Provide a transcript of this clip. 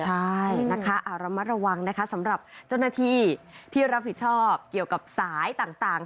ใช่นะคะระมัดระวังนะคะสำหรับเจ้าหน้าที่ที่รับผิดชอบเกี่ยวกับสายต่าง